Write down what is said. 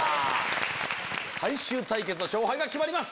最終対決の勝敗が決まります。